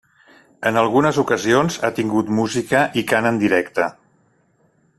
En algunes ocasions ha tingut música i cant en directe.